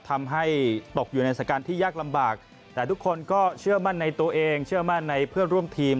ทำให้ตกอยู่ในสถานการณ์ที่ยากลำบากแต่ทุกคนก็เชื่อมั่นในตัวเองเชื่อมั่นในเพื่อนร่วมทีม